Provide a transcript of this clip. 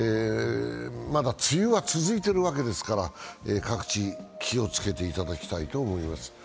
まだ梅雨が続いているわけですから、各地、気をつけていただきたいと思います。